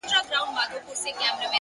هره شېبه د ښه انتخاب فرصت دی،